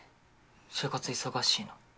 就活忙しいの？